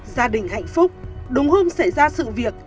gia đình hạnh phúc đúng hôm xảy ra sự việc